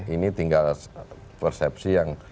ini tinggal persepsi yang